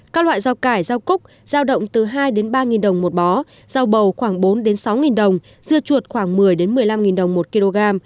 các loại rau cải rau cúc rau động từ hai ba nghìn đồng một bó rau bầu khoảng bốn sáu nghìn đồng dưa chuột khoảng một mươi một mươi năm nghìn đồng một kg